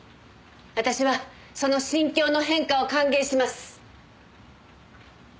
私はその心境の変化を歓迎します。